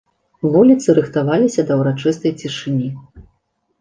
Вуліцы рыхтаваліся да ўрачыстай цішыні.